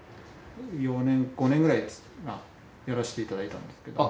４年５年くらいかなやらせていただいたんですけども。